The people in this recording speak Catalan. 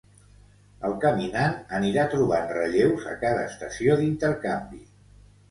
El caminant anirà trobant relleus a cada estació d'intercanvi.